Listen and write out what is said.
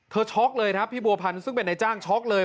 ช็อกเลยครับพี่บัวพันธ์ซึ่งเป็นนายจ้างช็อกเลย